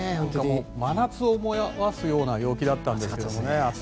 真夏を思わすような陽気だったんですが。